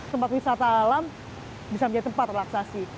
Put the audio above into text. tempat wisata alam bisa menjadi tempat relaksasi